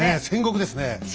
戦国ですねえ。